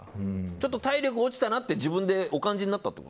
体力落ちたなって自分でお感じになった？